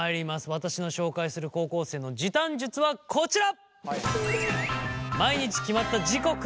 私の紹介する高校生の時短術はこちら。